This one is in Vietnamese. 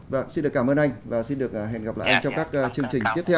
và xin được cảm ơn anh và xin được hẹn gặp lại anh trong các chương trình tiếp theo